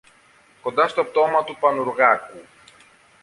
κοντά στο πτώμα του Πανουργάκου.